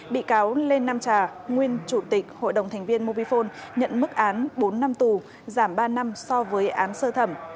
bị cáo lê nam trà nguyên chủ tịch hội đồng thành viên mobifone nhận mức án bốn năm tù giảm ba năm so với án sơ thẩm